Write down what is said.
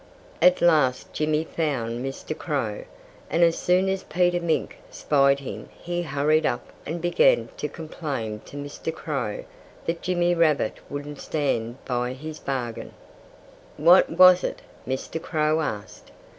At last Jimmy found Mr. Crow. And as soon as Peter Mink spied him he hurried up and began to complain to Mr. Crow that Jimmy Rabbit wouldn't stand by his bargain. "What was it?" Mr. Crow asked.